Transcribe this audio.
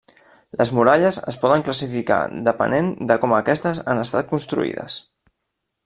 Les muralles es poden classificar depenent de com aquestes han estat construïdes.